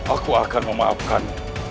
aku akan memaafkan